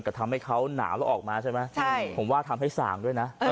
กะทำให้เค้านาวแล้วออกมาใช่ไหมครับ